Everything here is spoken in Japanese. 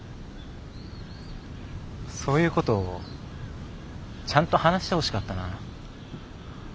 そういうことちゃんと話してほしかったな。